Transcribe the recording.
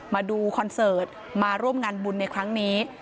มาดูคอนเสิร์ตมาร่วมงานบุญในครั้งนี้